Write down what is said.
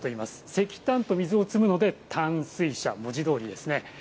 石炭と水を積むので、炭水車、文字どおりですね。